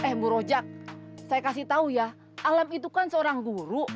eh bu rojak saya kasih tahu ya alam itu kan seorang guru